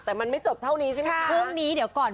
แต่มันไม่จบเท่านี้ใช่ไหมคะ